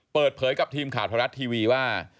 เปิดเผยกับทีมข่าวไทยรัฐทีวีว่า